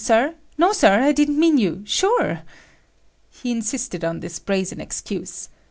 Sir. No, Sir, I didn't mean you, sure." He insisted on this brazen excuse.